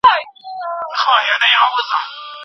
پخوانيو ډيپلوماتانو د هېواد لپاره ډېر کار کړی و.